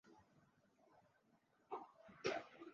ya karne ya kumi na moja jimbo hili lilishindwa